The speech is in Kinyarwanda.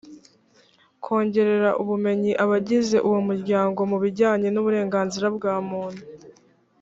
kongerera ubumenyi abagize uwo muryango mu bijyanye n uburenganzira bwa muntu